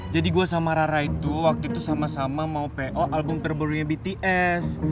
jadi gue sama rara itu waktu itu sama sama mau po album terbarunya bts